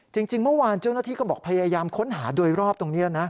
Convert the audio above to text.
จริงเมื่อวานเจ้าหน้าที่ก็บอกพยายามค้นหาโดยรอบตรงนี้แล้วนะ